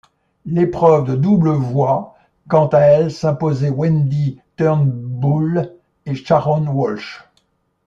L'épreuve de double voit quant à elle s'imposer Wendy Turnbull et Sharon Walsh.